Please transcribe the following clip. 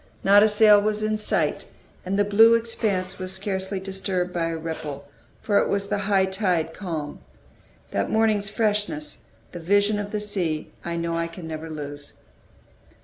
Not a sail was in sight, and the blue expanse was scarcely disturbed by a ripple, for it was the high tide calm. That morning's freshness, that vision of the sea, I know I can never lose.